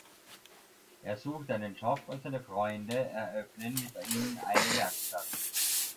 Er sucht einen Job, und seine Freunde eröffnen mit ihm eine Werkstatt.